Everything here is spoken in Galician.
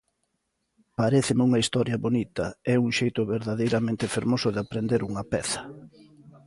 Paréceme unha historia bonita e un xeito verdadeiramente fermoso de aprender unha peza.